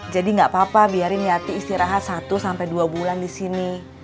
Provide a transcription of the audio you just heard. jadi gapapa biarin yati istirahat satu dua bulan disini